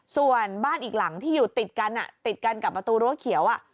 ส่วนบ้านอีกหลังที่อยู่ติดกันติดกันกับประตูรั้วเขียว